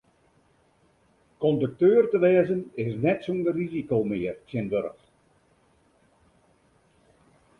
Kondukteur te wêzen is net sûnder risiko mear tsjintwurdich.